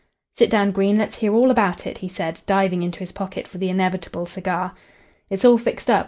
"Sit down, Green. Let's hear all about it," he said, diving into his pocket for the inevitable cigar. "It's all fixed up.